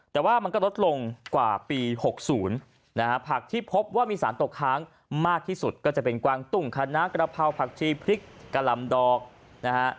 แต่ว่ามันก็ลดลงกว่าปี๖๐นะฮะผักที่พบว่ามีสารตกค้างมากที่สุดก็จะเป็นกวางตุ้งคณะกระเพราผักชีพริกกะลำดอกนะฮะ